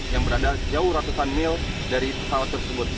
yang berada jauh ratusan mil dari seluruh dunia